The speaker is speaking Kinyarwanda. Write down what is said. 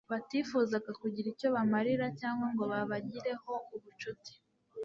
batifuzaga kugira icyo bamarira cyangwa ngo babagireho ubucuti